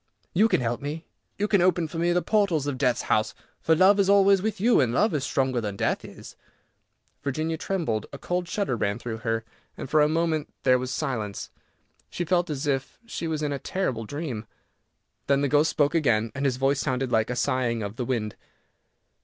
You can help me. You can open for me the portals of death's house, for love is always with you, and love is stronger than death is." Virginia trembled, a cold shudder ran through her, and for a few moments there was silence. She felt as if she was in a terrible dream. Then the ghost spoke again, and his voice sounded like the sighing of the wind.